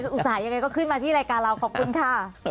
อุตส่าห์ยังไงก็ขึ้นมาที่รายการเราขอบคุณค่ะ